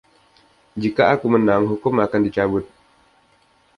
Jika aku menang, hukum akan dicabut.